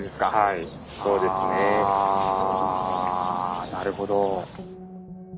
あなるほど。